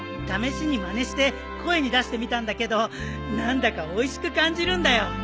試しにまねして声に出してみたんだけど何だかおいしく感じるんだよ。